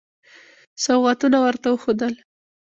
سوغاتونه ورته وښودل.